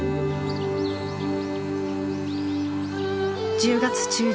１０月中旬。